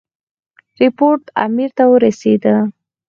رپوټ امیر ته ورسېد.